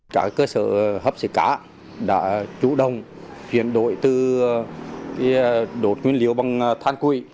các cơ sở hấp xấy cá đã chủ động chuyển đổi từ đột nguyên liệu bằng than quỵ